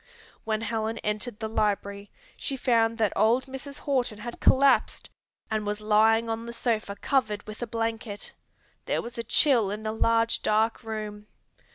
When Helen entered the library, she found that old Mrs. Horton had collapsed, and was lying on the sofa covered with a blanket. There was a chill in the large, dark room.